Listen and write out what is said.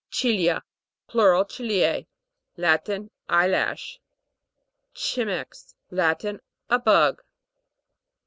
CIL'IA. Plural, ciliae. Latin. Eye lash. CI'MEX. Latin. A bug.